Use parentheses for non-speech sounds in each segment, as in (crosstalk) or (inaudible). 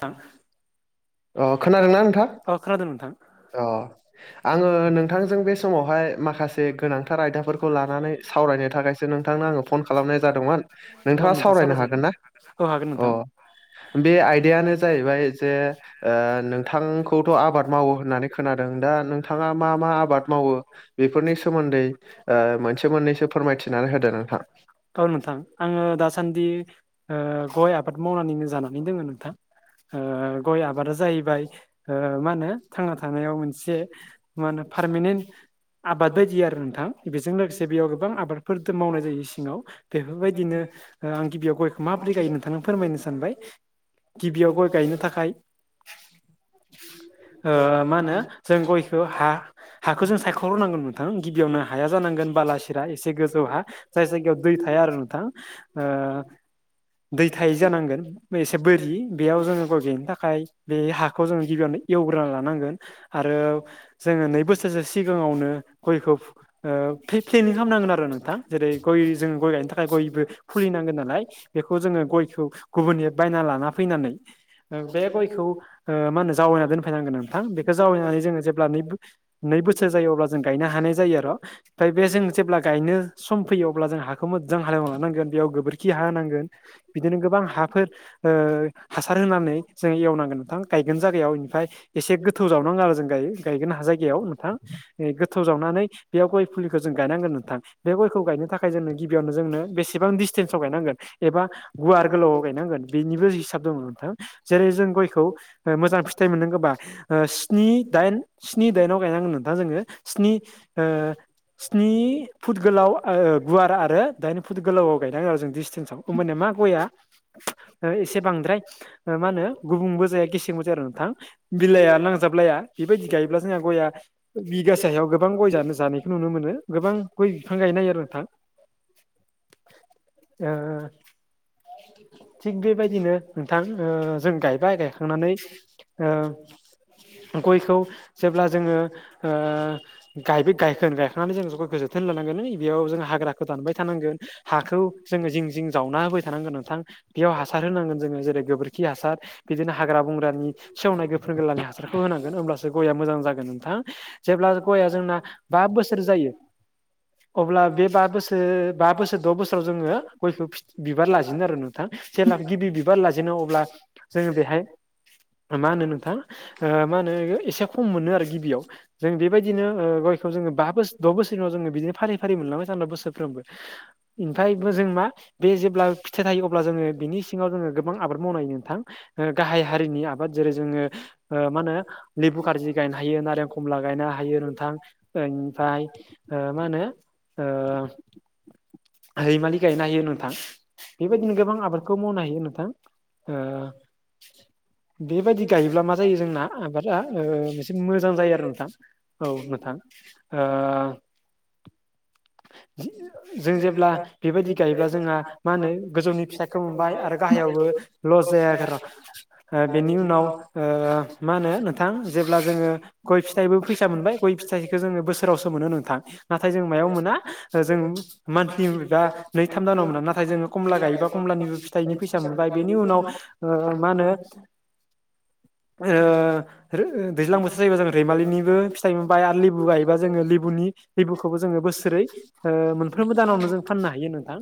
थां खोनादोंना नोंथां? औ खोनादों नोंथां अ आङो नोंथांजों बे समावहाय माखासे गोनां गोनांथार आयदाफोरखौ लानानै सावरायनो थाखायसो नोंथांनो आङो फन खालामनाय जादोंमोन औ नोंथाङा नोंथां सावरायनो सावरायजागोन हागोन ना? औ हागोन नोंथां अ बे आयदायानो जाहैबाय जे ओ नोंथांखौथ' आबाद मावो होननानै खोनादों दा नोंथाङा मा मा आबाद मावो? बेफोरनि सोमोन्दै ओ मोनसे मोन्नैसो फोरमायथिनानै होदो नोंथां। औ नोंथां आङो दासान्दि ओ गय आबाद मावनानैनो जानानै दोङो नोंथां। ओ गय आबादा जाहैबाय ओ मा होनो थांना थानायाव मोनसे मा होनो पारमानेन्ट आबाद बायदि आरो नोंथां बेजों लोगोसे बेयाव गोबां आबादफोर मावनाय जायो सिङाव बेफोरबायदि बिदिनो गिबियाव गयखौ माबोरै गायो नोंथांनो फोरमायनो सानबाय गिबियाव गय गायनो थाखाय (inaudible) ओ मा होनो जों गयखौ हा हाखौ जों सायख'नांगोन नोंथां गिबियावनो हाया जानांगोन बालासिरा एसे गोजौ हा जाय जायगायाव दै थाया आरो नोंथां ओ दै थायै जानांगोन। एसे बोरि बेयाव जोङो गय गेनो थाखाय बे हाखौ जोङो गिबियावनो एवग्रोना लानांगोन। आरो जोङो नै बोसोरसो सिगाङावनो गयखौ ओ प्लेनिं खालामनांगोन आरो नोंथां जेरै गय जों गय गायनो थाखाय गयबो खुलिनांगोन नालाय। बेखौ जोङो गयखौ गुबुननि बायना लाना फैनानै बे गयखौ मा होनो जावायना दोनफैनांगोन नोंथां बेखौ जावैनानै जोङो जेब्ला नै बोसोर जायो अब्ला जों गायनो हानाय जायो आरो ओमफ्राय बे जों जेब्ला गायनो सम फैयो अब्ला जों हाखौ मोजां हालेवना लानांगोन बेयाव गोबोरखि हा होनांगोन। बिदिनो गोबां हाफोर हासार होनानै जों एवनांगोन नथां गायगोन जायगायाव बेनिफ्राय एसे गोथौ जावनांगौ आरो जों गायगोन हा जायगायाव नोंथां गोथौ जावनानै बेयाव गय फुलिखौ जों गायनांगोन नोंथां। बे गयखौ गायनो थाखाय जोंनो गिबियावनो जोंनो बेसेबां डिसटेन्सआव गायनांगोन एबा गुवार गोलाव गायनांगोन बेनिबो हिसाब दङ नोंथां। जेरै जों गयखौ ओ मोजां फिथाइ मोननां गोबा स्नि दाइन स्नि दाइनाव गायनांगोनो नोंथां जोङो स्नि ओ स्नि फुट गोलाव ओ गुवारा आरो दाइन फुट गोलावाव गायनांगौ आरो जों डिसटेन्सआव होमबानिया मा गया एसे बांद्राय ओ मा होनो गुबुंबो जाया गेसेंबो जाया आरो नोंथां। बिलाइआ नांजाबलाया बेबायदि गायोब्ला जोंहा गया बिगासे हायाव गोबां गय जानाय जानायखौ नुनो मोनो गोबां गय बिफां गायनो हायो आरो नोंथां। ओ थिग बेबायदिनो नोंथां ओ जों गायबाय गायखांनानै ओ औ गयखौ (inaudible) जेब्ला जोङो ओ गायबो गायखोन गायखांनानै जों जोबोखो जोथोन लानांगो बेयाव जों हाग्राखो दानबाय थानांगो। हाखौ जोङो जिं जिं जावना होबाय थानांगो नोंथां बेयाव हासार होनांगोन जोङो जेरै गोबोरखि हासार। बिदिनो हाग्रा बंग्रानि सेवनाय गोफोन गोरलानि हासारखौ होनांगोन होमब्लासो गया मोजां जागोन नोंथां। जेब्ला ज गयया जोंना बा बोसोर जायो अब्ला बे बा बोसोर बा बोसोर द' बोसोराव जोङो गयखौ फि बिबार लाजेनो आरो नोंथां जेब्ला गिबि बिबार लाजेनो अब्ला जोङो बेहाय ओ मा होनो नोंथां ओ मा होनो एसे खम मोनो आरो गिबियाव। जों बेबायदिनो ओ गयखौ जोङो बा बोसोर द' बोसोरनि उनाव जोङो बिदिनो फारि-फारि मोनलांबाय थागोन बोसोरफ्रोमबो। ओमफ्रायबो जों मा बे जेब्ला फिथाइ थायो अब्ला जोङो बिनि सिङाव जोङो गोबां आबाद मावनाय नोंथां। ओ गाहाय हारिनि आबाद जेरै जोङो। ओ मा होनो लेबु खारजि गायनो हायो नारें खमला गायनो हायो नोंथां। ओनिफाय ओ मा होनो ओ रैमालि गायनो होयो नोंथां। बेबायदिनो गोबां आबादखौ मावनो हायो नोंथां ओ बेबायदि गायोब्ला मा जायो जोंना आबादा ओ एसे मोजां जायो आरो नोंथां। औ नोंथां ओ जों जेब्ला बेबायदि गायोब्ला जोंहा मा होनो गोजौनि फिथाइखौ मोनबाय आरो गाहायावबो लस जायाखै र' बेनि उनाव ओ मा होनो थां ‌जेब्ला जोङो गय फिथाइबो फैसा मोनबाय गय फिथाइ बे जोङो बोसोरावसो मोनो नोंथां नाथाय जों मायाव मोना जों मान्थलि बा नै-थाम दानाव मोना नाथाय जोङो खमला गायोबा कमलानिबो फि फिथाइनि फैसा मोनबाय बेनि उनाव ओ मा होनो ओ रो दैज्लां बोथोर जायोबा जों रैमालिनिबो फिथाइ मोनबाय। लेबु गायोबा जोङो लेबुनि लेबुखौबो जोङो बोसोरै ओ मोनफ्रोमबो दानावनो जों फाननो हायो नोंथां।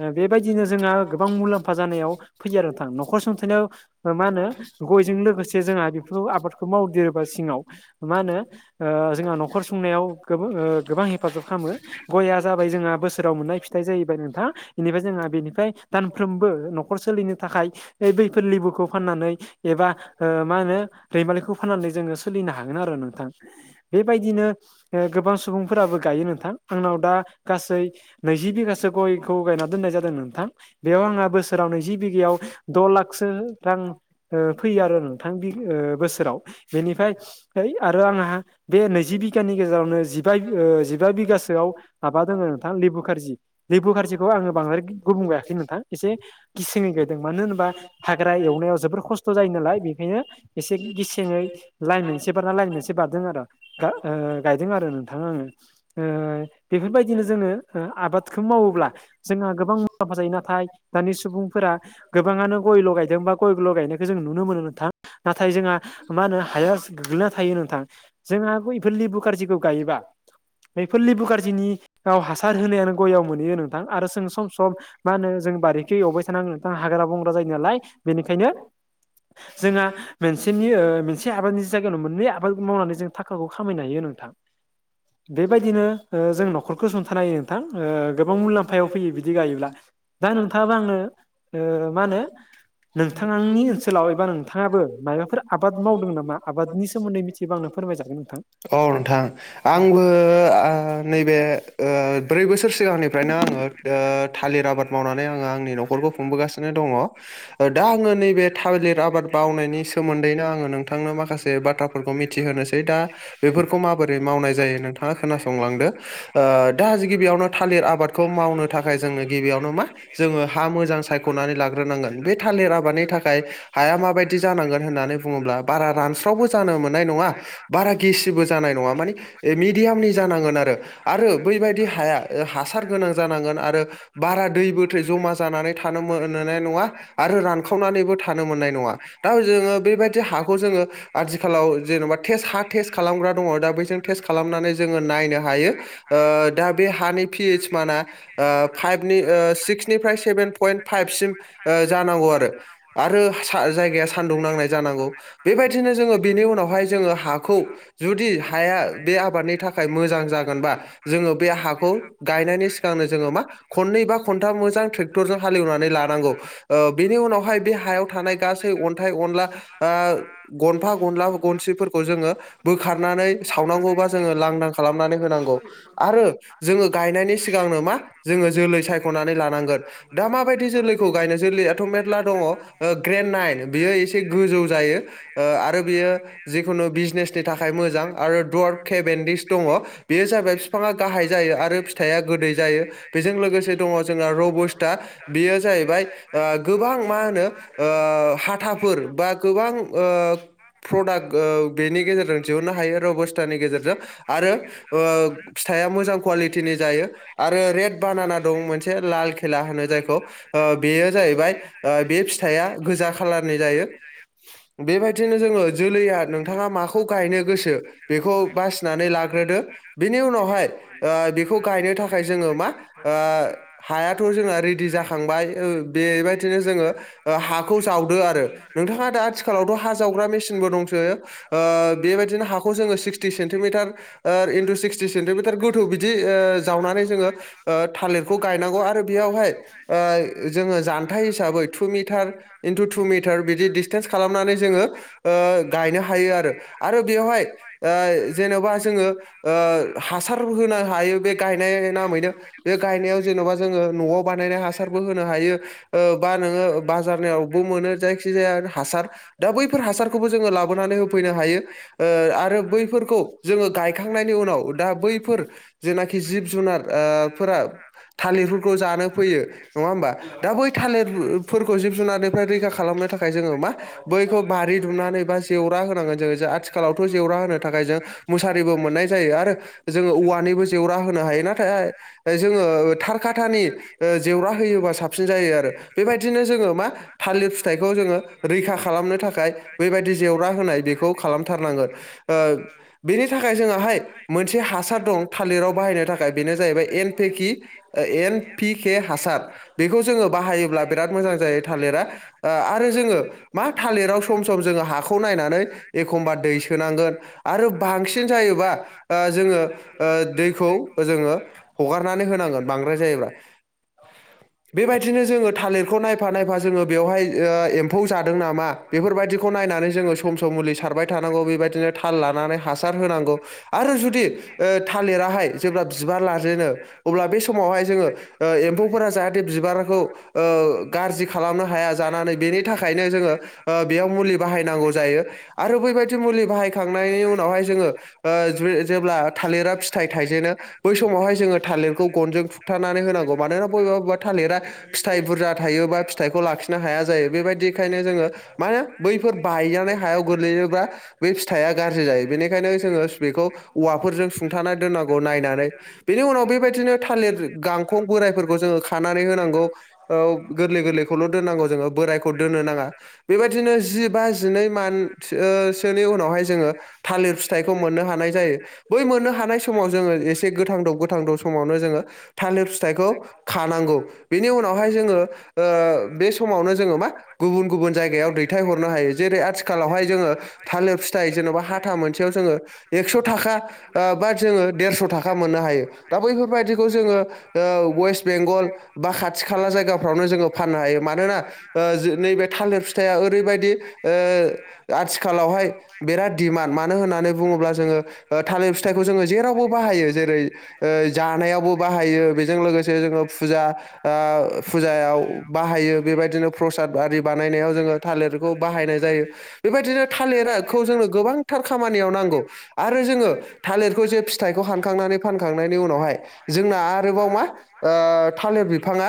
ओ बेबायदिनो जोंहा गोबां मुलाम्फा जानायाव फैयो आरो नोंथां न'खर सुंथाइनायाव ओ मा होनो गयजों लोगोसे जोंहा बेफोरखौ आबादखौ मावदेरोबा सिङाव ओ मा होनो ओ जोंहा न'खर संनायाव गो ओ गोबां हेफाजाब खालामो। गया जाबाय जोंहा बोसोराव मोननाय फिथाइ जाहैबाय नोंथां‌। इनिफ्राय जोंहा बेनिफ्राय दानफ्रोमबो न'खर सोलिनो थाखाय ओ बैफोर लेबुखौ फाननानै एबा ओ मा होनो रैमालिखौ फाननानै जोङो सोलिनो हागोन आरो नोंथां। बेबायदिनो ओ गोबां सुबुंफोराबो गायो नोंथां आंनाव दा गासै नैजि बिगासो गयखौ गायना दोननाय जादों नोंथां। बेयाव आंङा बोसोराव नैजि बिगायाव द' लाखसो रां ओ फैयो आरो नोंथां बि ओ बोसोराव बेनिफ्राय है आरो आंहा बे नैजि बिघानि गेजेरावनो जिबा ओ जिबा बिघासोआव माबा दोङो नोंथां लेबु खारजि। लेबु खारजिखौ आङो बांद्राय गुबुं गायाखिसै नोंथां एसे गिसिङै गायदों मानो होनोबा हाग्रा एवनायाव जोबोर खस्थ' जायो नालाय बेखायनो एसे गिसेङै लाइन मोनसे बारना लाइन मोनसे बारदों आरो गायदों आरो नोंथाङा आङो ओ बेफोर बायदिनो जोङो आबादखौ मावोब्ला। जोंहा गोबां मुलाम्फा जायो नाथाय दानि सुबुंफोरा। गोबाङानो गय ल' गायदोंबा गय ग' गायनायखौ जों नुनो मोनो नोंथां नाथाय जोंहा मा होनो हाया गोग्लैना थायो नोंथां। जोंहा गै फललि बुखारारजिखौ गायोबा बै फललि बुकारजिनि औ हासार होनायानो गययाव मोनहैयो नोंथां आरो जों सम सम मा होनो जों बारि अबे थान आं नोंथा हाग्रा बंग्रा जायो नालाय बेनिखायनो। जोंहा मोनसेनि मोनसे आबादनि जायगायावनो मोननै आबाद मावनानै जों थाखाखौ खामायनो हायो नोंथां बेबायदिनो जों नखरखौ हुंथानाय हायो नोंथां गोबां मुलाम्फायाव फैयो बिदि गायोब्ला। दा नोंथाङाबा आंङो मा होनो। नोंथांनि ओनसोलाव एबा नोंथाङाबो माबाफोर आबाद मावदों नामा आबादनि सोमोन्दै मिथियोबा आं फोरमायजागोन नोंथां। औ नोंथां आंबो। नैबे ब्रै बोसोर सिगांनिफ्रायनो आङो थालिर आबाद मावनानै आङो आंनि न'खरखौ खुंबोगासिनो दङ दा आङो नैबे थाबलिर आबाद मावनायनि सोमोन्दैनो आङो नोंथांनो माखासे बाथ्राफोरखौ मिथिहोनोसै दा बेफोरखौ माबोरै मावनाय जायो नोंथाङा खोनासंलांदो द गिबियावनो थालिर आबाद खौ मावनो थाखाय जोङो गिबियावनो मा जोङो हा मोजां सायख'नानै लाग्रोनांगोन बे थालिर आबादनि थाखाय हाया माबायदि जानांगोन होननानै बुङोब्ला बारा रानस्रावबो जानो मोननाय नङा बारा। गिसिबो जानाय नङा मानिे मिडियामनि जानांगोन आरो आरो बैबायदि हाया। हासार गोनां जानांगोन आरो बारा दै बोथै जमा जानानै थानो मोननाय नङा। आरो रानखावनानैबो थानो मोननाय नङा। दा जोङो बेबायदि हाखौ जोङो आथिखालाव जेन'बा टेस्ट हा टेस खालाम दङ दा बैजों टेस्ट खालामनानै जोङो नायनो हायो ओ दा बे हानि पि एसमानआ। दा‌ फाइभनि सिक्सनिफ्राय सेभेन पइन्ट फाइभसिम जानांगौ आरो आरो। जायगाया सान्दुं नांनाय जानांगौ बेबायदिनो जोङो बेनि उनावहाय जोङो हाखौ जुदि हाया बे आबादनि थाखाय मोजां जागोनबा जोङो बे हाखौ। गायनायनि सिगांनो जोङो मा खननै बा खन्था मोजां ट्रेक्टरजों हालेवनानै लानांगौ ओ बेनि उनावहाय बे हायाव थानाय गासै अन्थाइ अनला आ गनफा गनला गनसेफोरखौ जोङो बोखारनानै सावनांगौबा जोङो लांदां खालामनानै होनांगौ। आरो जोङो गायनायनि सिगांनो मा जोङो जोलै सायख'नानै लानांगोन दा माबायदि जोलैखौ गायनो जोलैयाथ' मेर्ला दङ ग्रनड नाइन बिसे गोजौ ज आरो बेखु दनि थाखाय मोजां आरो दयार केबिनिस दङ बेयो जाबाय फिसाया गाहाय जायो आरो फिथाइआ गोदै जायो बेजों लोगोसे दङ जोंहा रबस्ता बेयो जाहैबाय ओ गोबां मा होनो आ आ हाथाफोर बा गोबां आ प्रडाक्ट आ बेनि गेजेर जों दिहुननो हायोबस्थानि गेजेरजों आरो फिथाइया मोजां कुवालिटिनि जायो। आरो रेड बानाना दं मोनसे लाल खेला होनो जायखौ बेयो जाहैबाय बे फिथाइया। गोजा खाालारनि जायो बेबायदिनो जोङो जोलैया नोंथाङा मा खौ गायनो गोसो बेखौ बासिनानै लाग्रोदो बिनि उनावहाय बेखौ गायनो थाखाय जोङो मा। हायाथ' जोंना रेडि जाखांबाय बेबायदिनो जोङो हा खौ जावदो आरो नोंथाङा दा आथिखालावथ' हा जावग्रा मेसिनबो दंसो। ओ बेबायदिनो हाखौ जोङो sixty centimetre into sixty centimetre गोथौ। बिदि जावनानै जोङो थालिरखौ गायनांगौ आरो बेयावहाय जोङो जानथाइ हिसाबै two metre into two metre बिदि डिसटेन्स खालामनानै जोङो गायनो हायो आरो आरो बेयावहाय जेनेबा जोङो हासार होनो हायो बे गायनाय नामैनो बे गायनायाव जेन'बा जोङो न'आव बानायनाय हासारबो होनो हायो बा नोङो बाजार खिनियावनो मोनो जायखिजाया हासार दा बैफोर हासारफोरखौ लाबोनानै फैनो हायो आरो बैफोरखौ जोङो गायखांनायनि उनाव दा बैफोर जेनाखि जिब जुनार फोर थालिरफोरखौ जानो फैयो नङा होमबा दा बै थालिरफोरखौ जों रैखा खालामनो थाखाय जों मा बैखौ बारि दुमनानै बा जेवरा आथिखालाव जेवरा होनो थाखाय जों मुसारिबो मोननाय जायो आरो जोङो औवानि जेवरा होनो हायो नाथाय जोङो थार खाथानि जेवरा होयोबा साबसिन जायो आरो बेबायदिनो जोङो मा थालिर फिथाइखौ जोङो रैखा खालामनो थाखाय बेबायदि जेवरा होनाय बेखौ खालामथारनांगोन बेनि थाखाय जोङाहाय मोनसे हासार दं थालिराव बाहायनो थाखाय बेनो जाहैबाय एन पेकि एन पि के हासार बेखौ जोङो बाहायोब्ला बिराद मोजां जायो थालिरा ओ आरो जोङो मा थालिराव सम सम जोङो हाखौ नायनानै एखमबा दै सोनांगोन आरो बांसिन जायोबा ओ जोङो ओ दैखौ जोङो हगारनानै होनांगोन बांद्राय जायोब्ला बेबायदिनो जोङो थालिरखौ नायफा नायफा जोङो बेवहाय ओ एम्फौ जादों नामा बेफोरबायदिखौ नायनानै सम सम थ' मुलि सारबाय थानांगौ बेबायदिनो थाल लानानै हासार होनांगौ आरो जुदि थालिराहाय जेब्ला बिबार लाजेनो अब्ला बे समावहाय जोङो एम्फौफोरा जाहाथे बिबार खौ ओ गाज्रि खालामनो हाया जानानै बेनि थाखायनो जोङो बेयाव मुलि बाहायनांगौ जायो। आरो बैबायदि मुलि बाहायखांनायनि उनावहाय जोङो जेब्ला थालिरा फिथाइ थाइजेनो बै समावहाय जोङो थालिरखौ गनजों थुगथनानै होनांगौ मानोना बबेबा बबेबा थालिरा फिथाइ बुरजा थायोबा फिथाइखौ लाखिनो हाया जायो बेबायदिखायनो जोङो मा होनो बैफोर बायनानै हायाव गोग्लैयोबा बे फिथाइया गाज्रि जायो बेनिखायनो जोङो बेखौ औवाफोरजों सुंथानानै दोननांगौ नायनानै बेनि उनाव बेबायदिनो थालिर गांखं बोरायफोरखौ जोङो खानानै होनांगौ ओ गोर गोरलै गोरलैखौल' दोननांगौ जोङो बोरायखौ दोननो नाङा बेबायदिनो जिबा जिनै मान ओ सोनि उनावहाय जोङो थालिर फिथाइखौ मोननो हानाय जायो बै मोननो हानाय समाव जोङो ए गोथांदब गोथांदब समावनो जोङो थालिर फिथाइखौ खानांगौ बेनि उनावहाय जोङो ओ बे समावनो जोङो मा गुबुन गुबुन जायगायाव दैथाय हरनो हायो जेरै आथिखालावहाय जोङो थालिर फिथाइ जेन'बा हाथा मोनसेयाव जोङो एकस' थाखा ओ बा जोङो देरस' थाखा मोननो हायो दा बैफोरबायदिखौ जोङो ओ वेस्ट बेंगल बा खाथि खाला जायगा फावनो जोङो फाननो हायो मानोना ओ नैबे थालिर फिथाइया ओरैबायदि ओ आथिखालावहाय बिराद डिमान्ड मानो होननानै बुङोब्ला ओ जोङो थालिर फिथाइखौ जोङो जेरावबो बाहायो जेरै ओ जानायावबो बाहायो बेजों लोगोसे जोङो फुजा आ फुजा आव बाहायो बेबायदिनो प्रसाद आरि बानायनायाव जोङो थालिरखौ बाहायनाय जायो बेबायदिनो थालिरखौ जोंनो गोबांथार खामानियाव नांगौ आरो जोङो थालिरखौ जे फिथाइखौ हानखांनानै फानखांनायनि उनावहाय जोंना आरोबाव मा थालिर बिफाङा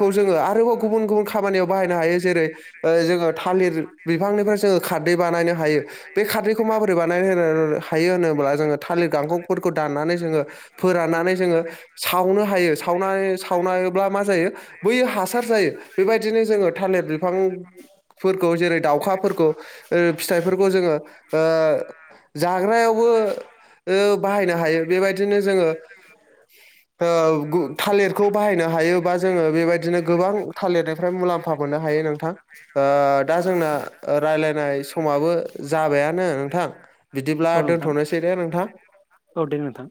खौ जोङो आरोबाव गुबुन गुबुन खामानियाव बाहायनो हायो जेरै ओ जोङो थालिर बिफांनिफ्राय जोङो खारदै बानायनो हायो बे खारदैखौ माबोरै बानायनानै होनो हायो होनोब्ला जोङो थालिर गांखं फोरखौ दाननानै जोङो फोराननानै जोङो सावनो हायो सावनानै सावनायब्ला मा जायो बैयो हासार जायो बेबायदिनो जोङो थालिर बिफांफोरखौ जेरै दाउखाफोरखौ ओ फिथाइफोरखौ जोङो ओ जाग्रायावबो ओ बाहायनो हायो बेबायदिनो जोङो ओ थालिरखौ बाहायनो हायोबा जोङो बेबायदि बिदिनो गोबां थालिरनिफ्राय मुलामफा मोननो हायो नोंथां दा जोंना रायज्लायनाय समाबो जाबायानो नोंथां बिदिब्ला औ नोंथां दोनथ'नोसै दे नोंथां। औ दे नोंथां